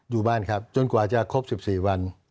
อยู่บ้านครับจนกว่าจะครบ๑๔วัน